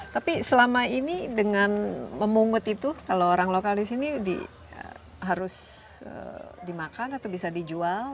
tapi selama ini dengan memungut itu kalau orang lokal di sini harus dimakan atau bisa dijual